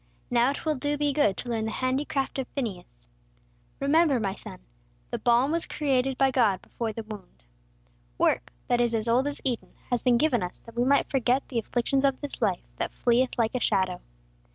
Now it will do thee good to learn the handicraft of Phineas. Remember, my son, 'the balm was created by God before the wound.' Work, that is as old as Eden, has been given us that we might forget the afflictions of this life that fleeth like a shadow.